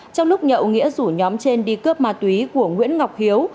trong lúc nhậu nghĩa rủ nhóm trên đi cướp ma túy của nguyễn ngọc hiếu